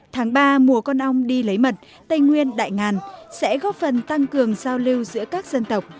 tháng ba mùa con ong đi lấy mật tây nguyên đại ngàn sẽ góp phần tăng cường giao lưu giữa các dân tộc